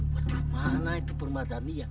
waduh mana itu permataan ini ya